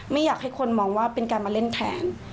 ไม่อยากให้คนมองว่าเป็นการมาเล่นแทน